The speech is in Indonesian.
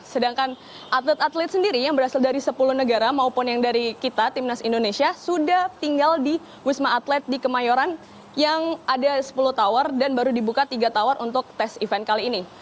sedangkan atlet atlet sendiri yang berasal dari sepuluh negara maupun yang dari kita timnas indonesia sudah tinggal di wisma atlet di kemayoran yang ada sepuluh tower dan baru dibuka tiga tower untuk tes event kali ini